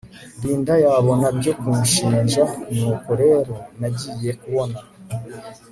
Linda yabona byo kunshinja nuko rero nagiye kubona